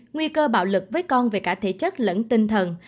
nguy cơ bạo lực với con về cả thể chất lẫn tinh thần